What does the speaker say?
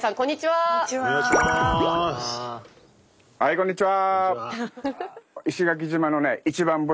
はいこんにちは！